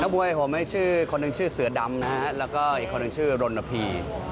มวยผมชื่อคนหนึ่งชื่อเสือดำนะฮะแล้วก็อีกคนหนึ่งชื่อรณพี